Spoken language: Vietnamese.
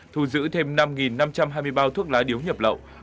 thù giữ thêm năm năm trăm hai mươi ba thuốc lá điếu nhập lậu